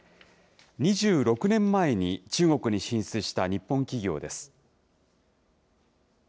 ２６年前に中国に進出した日本企業です。